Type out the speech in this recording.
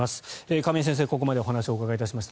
亀井先生、ここまでお話をお伺いしました。